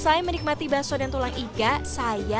saya menikmati baso dengan tambahan sambal yang terbuat dari cabai rawit